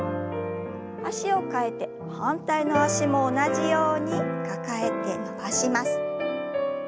脚を替えて反対の脚も同じように抱えて伸ばします。